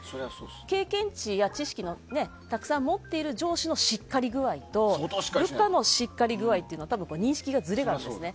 経験値や知識をたくさん持っている上司のしっかり具合と部下のしっかり具合は認識にずれがあるんですね。